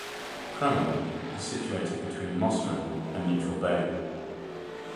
Cremorne is situated between Mosman and Neutral Bay.